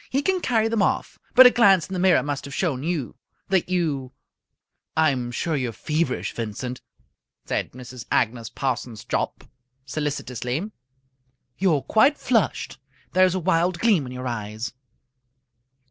He can carry them off. But a glance in the mirror must have shown you that you " "I'm sure you're feverish, Vincent," said Mrs. Agnes Parsons Jopp, solicitously. "You are quite flushed. There is a wild gleam in your eyes."